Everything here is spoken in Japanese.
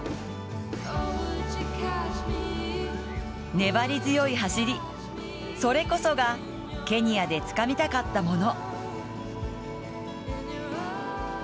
粘り強い走り、それこそがケニアでつかみたかったもの。